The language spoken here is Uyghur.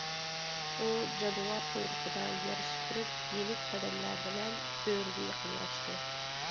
ئۇ جانىۋار قۇيرۇقىدا يەر سۈپۈرۈپ، يېنىك قەدەملەر بىلەن بۆرىگە يېقىنلاشتى.